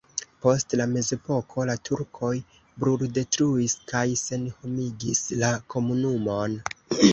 Post la mezepoko la turkoj bruldetruis kaj senhomigis la komunumon.